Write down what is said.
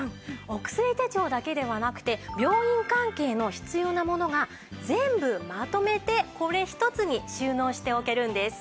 お薬手帳だけではなくて病院関係の必要なものが全部まとめてこれ１つに収納しておけるんです。